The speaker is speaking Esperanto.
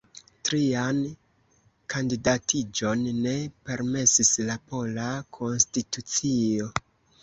Trian kandidatiĝon ne permesis la pola konstitucio.